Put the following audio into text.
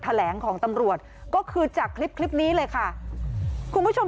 แถลงของตำรวจก็คือจากคลิปคลิปนี้เลยค่ะคุณผู้ชม